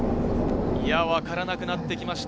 分からなくなってきました。